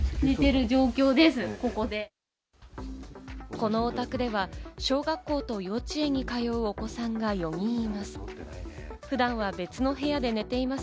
このお宅では小学校と幼稚園に通うお子さんが４人います。